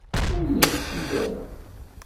Ur nelsi ara.